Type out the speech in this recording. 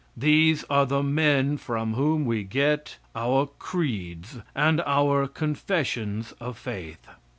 These are the men from whom we get our creeds and our confessions of faith.